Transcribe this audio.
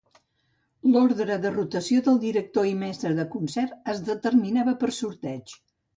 L'ordre de rotació del director i mestre de concert es determinava per sorteig.